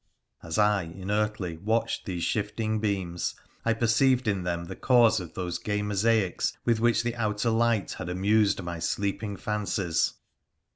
As I, inertly, watched these shifting beams, I perceived in them the cause of those gay mosaics with which the outer light had amused my sleeping fancies